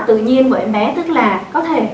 tự nhiên của em bé tức là có thể